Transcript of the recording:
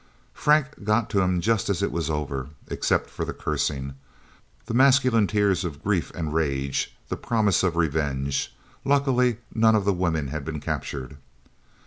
Frank got to them just as it was over except for the cursing, the masculine tears of grief and rage, the promises of revenge. Luckily, none of the women had been captured.